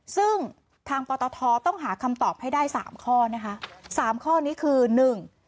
ซึ่งทางปตทต้องหาคำตอบให้ได้สามข้อนะคะสามข้อนี้คือหนึ่ง